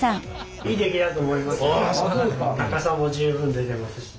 高さも十分出てますし。